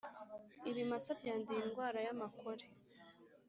Ibimasa byanduye indwara y’amakore